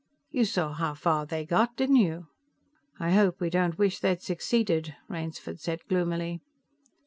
"You saw how far they got, didn't you?" "I hope we don't wish they'd succeeded," Rainsford said gloomily.